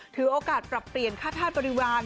ถือโอกาสปรับเปลี่ยนค่าธาตุบริวาร